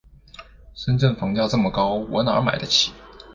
深圳房价这么高，我哪儿买得起？